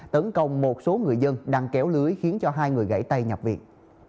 tấn công một số người dân đang kéo lưới khiến cho hai người gãy tay nhập viện